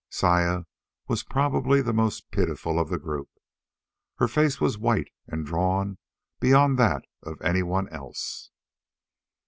Saya was probably the most pitiful of the group. Her face was white and drawn beyond that of any one else.